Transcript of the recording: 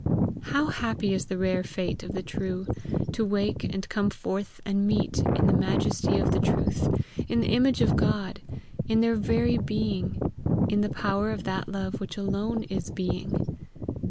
Happy is the rare fate of the true to wake and come forth and meet in the majesty of the truth, in the image of God, in their very being, in the power of that love which alone is being.